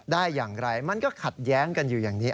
ได้อย่างไรมันก็ขัดแย้งกันอยู่อย่างนี้